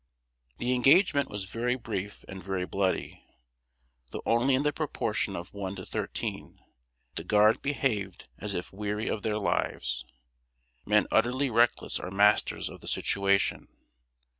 The engagement was very brief and very bloody. Though only in the proportion of one to thirteen, the Guard behaved as if weary of their lives. Men utterly reckless are masters of the situation.